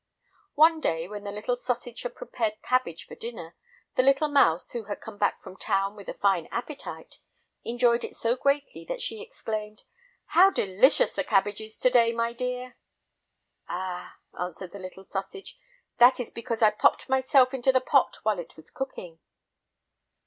One day, when the little sausage had prepared cabbage for dinner, the little mouse, who had come back from town with a fine appetite, enjoyed it so greatly that she exclaimed: "How delicious the cabbage is to day, my dear!" "Ah!" answered the little sausage, "that is because I popped myself into the pot while it was cooking."